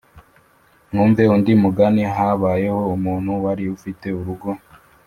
“Mwumve undi mugani: Habayeho umuntu wari ufite urugo